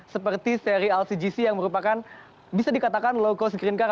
seperti seri lcgc yang merupakan bisa dikatakan low cost green car